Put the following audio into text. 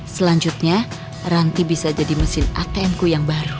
selanjutnya ranti bisa jadi mesin atm ku yang baru